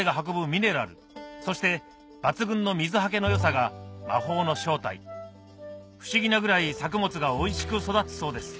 ミネラルそして抜群の水はけの良さが魔法の正体不思議なぐらい作物がおいしく育つそうです